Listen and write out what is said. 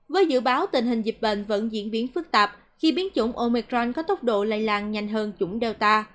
với dự báo tình hình dịch bệnh vẫn diễn biến phức tạp khi biến chủng omicron có tốc độ lây lan nhanh hơn chủng delta